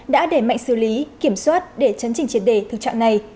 đã để mạnh xử lý kiểm soát để chấn chỉnh triệt đề thực trạng này